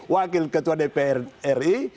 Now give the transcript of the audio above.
wakil ketua dpr ri